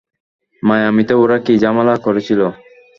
মায়ামিতে ওরা কি ঝামেলা করেছিল?